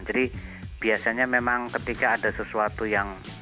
jadi biasanya memang ketika ada sesuatu yang